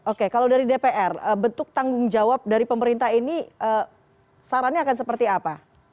oke kalau dari dpr bentuk tanggung jawab dari pemerintah ini sarannya akan seperti apa